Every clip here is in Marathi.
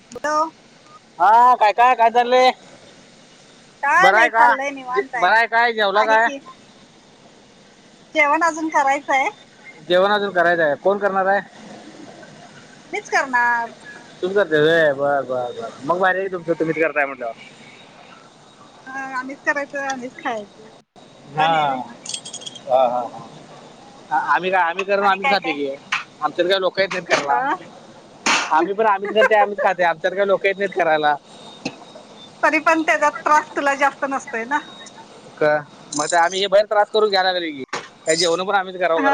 [unintelligible] हा काय काय काय चाललंय. काय बरय नाही का चाललंय निवांत आहे बरय काय जेवला आहे काय. की जेवण अजून करायचंय. जेवण अजून करायचंय कोण करणार आहे. मीच करणार. तुम करते र बर बर बर मग माझ्या तुमचं तुम्हीच करताय म्हटलं ह आम्हीच करायचं आम्हीच खायचं. हा तुमचं नाही व्हय हा हा हा. आम्ही काय आम्ही करून आणि आम्हीच काय खाते की काय आमच्या तर काही लोक येत नाहीत करयला. अ आम्ही पण आम्हीच करते आम्हीच खाते आम तर का लोक येत नाहीत करायला तरी पण त्याचा त्रास तुला जास्त नसतोय ना मग आम्ही हे बाहेर त्रास करू घ्यायलारी की का जेवण पण आम्ही हा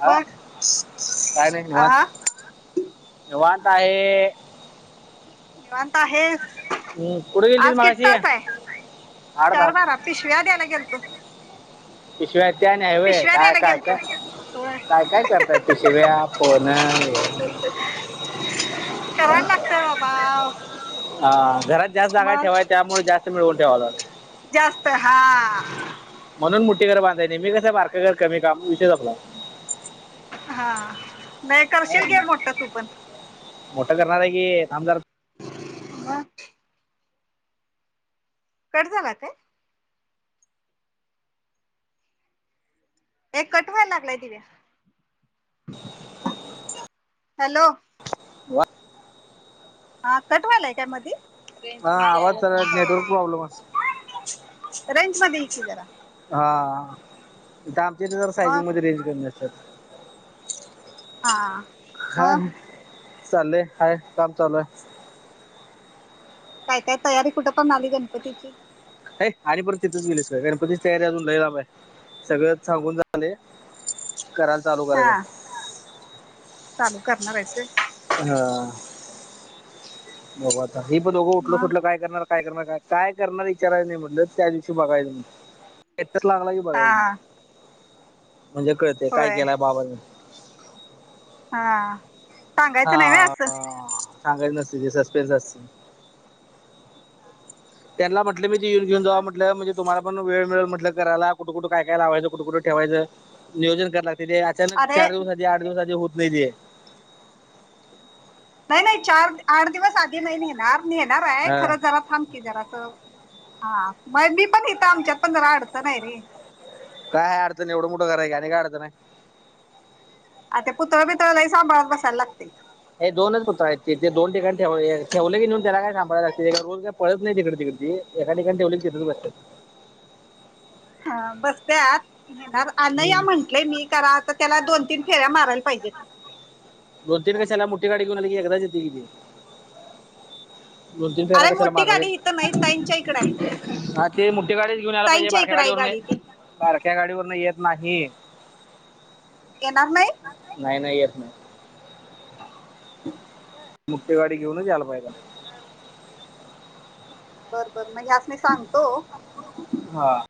हा बघ काय नाही आ निवांत निवांत आहे. निवांत आहेस हम्म, कुठे गेली आज किती मगाशी तास आहे. आठ तास चार बारा पिशव्या द्यायला गेल तो. पिशवा त्या नाही व्हय काय काय काय. होय काय काय करताय पिशव्या फोन करायला लागतय बाबा हा घरात जास्त जागा मग ठेवाय त्यामुळे जास्त मिळवून ठेवायला जास्त हा म्हणून मुठी घर बांधाय नाही मी कसं बार का घर कमी का विषय सपला हा नाही करशील हाय. घे मोठ तू पण मोठं करणार आहे की थाम जरा ह कट झाला काय एक कट व्हायला लागलाय तिव हॅलो हा कट वायलाय काय मधी [unintelligible] हा आवाज जरा नेटवर्क प्रॉब्लेम असतो रेंज मध्ये ये की जरा हा आमच्या जर मग सायजिंगमध्येध्ये रेंज कर न नसत्या हा मग हाय चालले हाय काम चालू आहे काय काय तयारी कुठं पर्यंत आली गणपतीची आणि परत तिथेच गेलीस गणपतीची तयारी अजून लईम आहे सगळं सांगून करायला चालू हा करायचं चालू करणार आहेस होय हा बघु आता हे पण दोघं उठल मग सुटलं काय करणार काय करणार काय काय करणार इचाराय नाही म्हटलं त्या दिवशी बघायच एकच लागला की बघाय हा म्हणजे कळते काय होय केलाय बाबा न हा सांगायचं हा नाही व्हय असं. सांगायच नसतय ते सस्पेन्स असतय त्यांना म्हटलं मी ते येऊन घेऊन जा मग म्हटलं म्हणजे तुम्हाला पण वेळ वेळ म्हटलं करायला कुठ कुठ काय काय लावायचं कुठ कुठ ठेवायचं नियोजन कय लाग ते सलग अरे चार दिवसा आठ दिवस होत नाही तेे नाही नाही चार आठ दिवस आधी नाही नेणार नेणार आहे हा खरं जरा थांब क जरा असं हा मग मी पण हेेतं आमच्यात पण जरा अडचन आहे रे काय अडचन एवढं मोठं घर आहे की आणि काय अडचण आहे आ ते पुतळ बितळ लई सांभाळत बसाय लागतय हे दोनच पुतळ आहेत ते दोन ठिकाणी ठेव ठेवले कीेन त्याला काय सांभायला लागतय पळत नाही तिकड तिकड एका ठिकाणी ठेवली तिथ बसत्या ह बसत्यात घेणार अनया हम्म. म्हंटलेय मी कराता त्या दोन तीन फेऱ्या मारायला पाहिजे. दोन तीन कशाला मोठी गाडी घेऊन आली की एकदाच येते कि ते. दोन-तीन फिरायला अरे कशाला मोठी मारा गाडी इथं नाही ताईंच्या इकडं आहे ते मोठी गाडीच घेऊन यायला पाहिजे ताईंच्या बारक्या इकडं आहे गाडीवर गाडी ती बारक्या गाडीवर येत नाही. येणार नाही? नाही नाही येत नाही. मोठी गाडी घेऊन याला पाहिजे. बर बरं म्हणजे अस मी सांगतो. हा.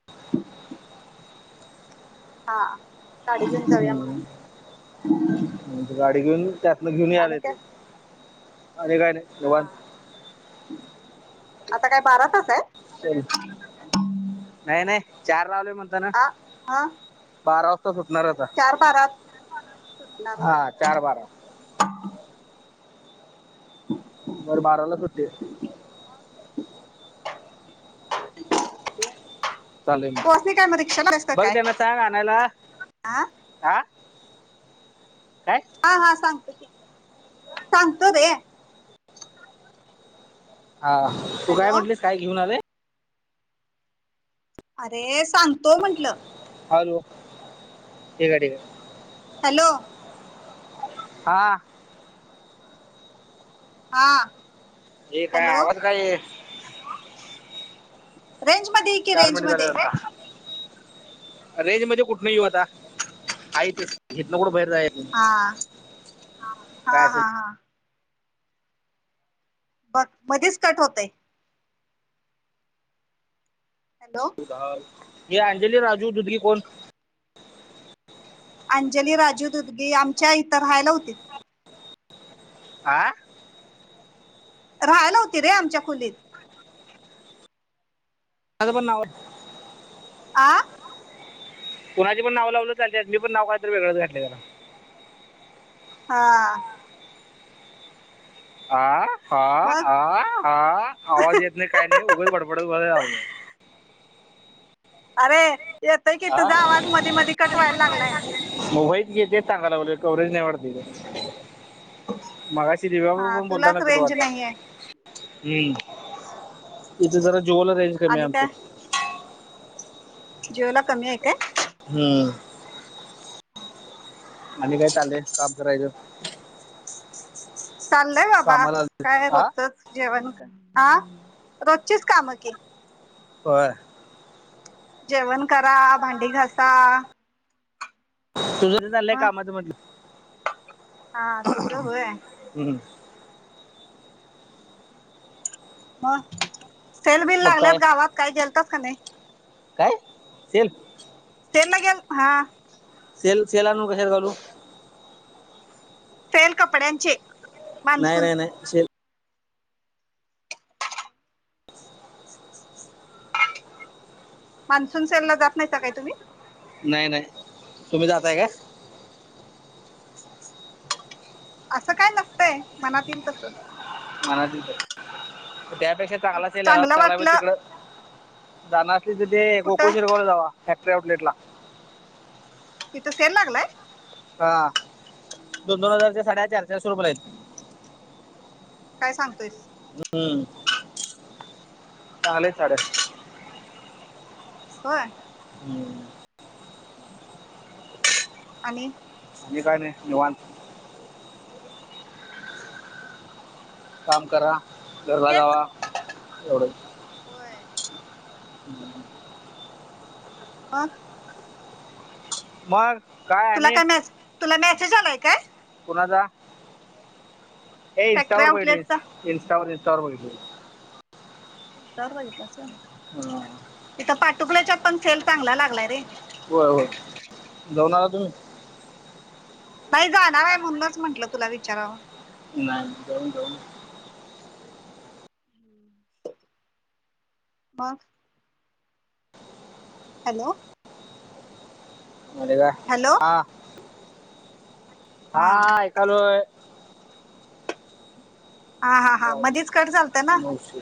हां. [unintelligible] हम्म गाडी घेऊन त्यातन घेऊन आणि आलेय ते. काय आणि काय नाय हा निवांत. आता काय बारा तास आहे नाही नाही चार ला अलोय म्हण आ हा बारा वाजता सुटणार अता चार बारात सुटणार होय हा. चार बारा. बर बाराला सुटते. [inaudible] पोचली काय मग रिक्षा केलास की बघ काय त्यांना सांग आणायला हा? हा काय हा हा सांगतो की सांगतो रे. हा तू काय हॅलो म्हटलीस काय घेऊन आले? अरे सांग हॅलो ठीक आहे ठीक आहे. हॅलो. हा. हा. हे काय हॅलो आवाज काय? रेंज मध्ये की चार रेंज मिनिट झाले मध्ये आता. रेंज मध्ये कुठून येऊ हा आता ते घेत ना कुठं बाहेर जायच. हां [inaudible] हा काय असेल हां हां. बघ मध्येच कट होतय. हॅलो. हे अंजली राजूदुर्गी कोण? अंजली राजूदुर्गी आमच्या इत राहायला होती. हा. राहायला होती रे आमच्या खोलीत. आता पण आ. कुणाचे पण नाव चालती पण नाव काहीतरी वेगळंच घातलं जरा. हा. हा हा मग ह हा आवाज येत नाही काही नाही उघंच बडबडत बघ रा अरे येतोय की तुझा आवाज मधी मधी कट वायला लागलाय. मग होई ग ते. मगाशीच सांगितलं कव्हरेज नाही वरती. सि हा पण बोलता तुलाच नक तू रेंज वाट नाहीये हम्म. हा. जरा जिओ ला रेंज कमी आणि आमचं. जिओ ला कमी आहे काय? हम्म. आणि काय चालेय काम करायचं. चाललय बाबा कामाला आलोय. काय हा रोजचच जेवण हा रोजचीच कामं की. होय. जेवण करा भांडी घासा. तुझ चाललंय मग कामाच मध्ये. हा तुझ होय. हमं. [inaudible] म सेल विल मग काय लागल्यात गावात काही गेलतात का नाही. काय? सेल्. सेम गे हा सेल सेल आणून कशात घालू सेल कपड्यांचे नाही मान्सून नाही नाही से [inaudible] मान्सून सेल ला जात नाहीता काय तुम्ही? नाही नाही तुम्ही जातय का? असं काय नसतंय मनात येईल तसं म त्यापेक्षा चांगला सेल याला चांगलं लागलाय बं वाटलं तिकडं जाणार तिथं ते गोकुळ कुठं शिरगांवला जावा फॅक्टरी आउटलेट ला तिथं सेल लागलाय हा दोन दोन हजारच्या साडया चार चारशे रुपयेला आहेत काय सांगतोयस हम्म चांगल्या आहेत साड्या व्हय हम्म म आणि आणि काय नाही निवांत हा काम करा घरला तेच जावा एवढं होय हम्म वा मग तुला काय म तुला मेसेज आलाय काय कोणाचा हे फॅक्टरी इन्स्टावर आउटलेटचा बघितलोय ईन्स्टावरर इनस्टावरर बघितलोय इंस्टावर बघितलास व्हय ह तिथं पाटुकल्याच्यात पण सेल चांगला लागलाय रे होय होय जाऊण आला तुम्ही नाही जाणार आहे म्हणूनच म्हटलं तुला विचारावं नाही जाऊन जाऊ मग हॅलो आणि काय हॅलो हा हा ऐकालोय हा हा हां मध्येच कट झालता ना तेचं की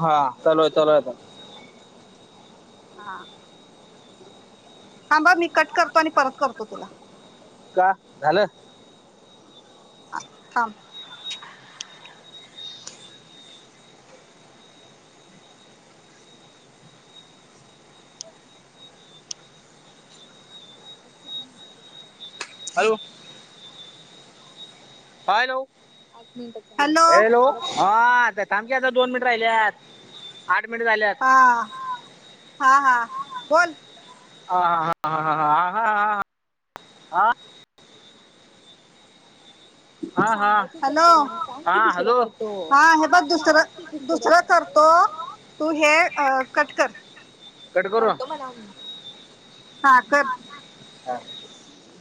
हा चालूय चालू हाय आता हां हां थांब मी कट करतो आणि परत करतो तुला का झालं हां थांब बघ किती मिनटाच झालं हे हॅलो हॅलो आहे हॅलो हा थांब की आता दोन मिनट राहिल्यात आठ मिनट झाल्यात हा हा हा बोल हा हा हा हा ह हा हा ह हा हा हा सांगायच ह सांग हा की दुसरं हॅलो करतो. हा हे बघ दुसरं दुसरं करतो तू हे कट कर. कट करू करतो हा मला हा कर. हा